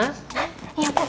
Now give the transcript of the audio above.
hah ya bu